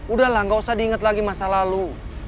udahlah enggak usah diinget lagi masa lalu